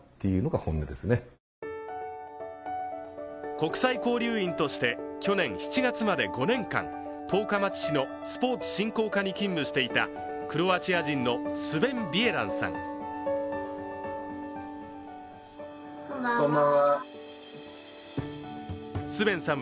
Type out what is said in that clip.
国際交流員として去年７月まで５年間、十日町市のスポーツ振興課に勤務していたクロアチア人のスヴェン・ビエランさん。